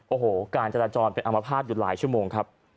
โอ้โหการจราจรเป็นอัมพาตอยู่หลายชั่วโมงครับ